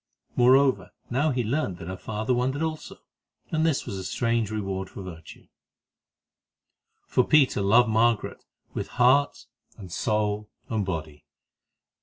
Moreover, now he learned that her father wondered also, and this was a strange reward of virtue. For Peter loved Margaret with heart and soul and body.